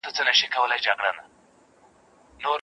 د اسلام په لار کي هره ستړي پاداش لري.